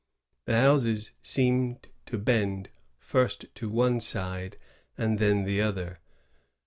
The houses seemed to bend first to one side and then to the other.